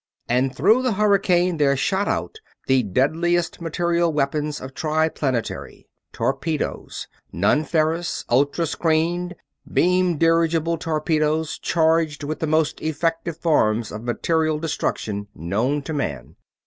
And through the hurricane there shot out the deadliest material weapons of Triplanetary. Torpedoes non ferrous, ultra screened, beam dirigible torpedoes charged with the most effective forms of material destruction known to man.